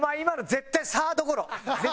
絶対サードゴロ。